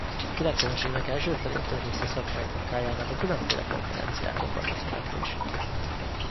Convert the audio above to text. A kilencvenes évek első felétől része szakmai munkájának a különféle konferenciákon való szereplés.